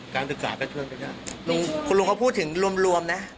การศึกษาก็เชื่อมไม่ได้คุณลุงเขาพูดถึงรวมรวมนะ